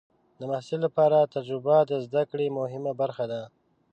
د محصل لپاره تجربه د زده کړې مهمه برخه ده.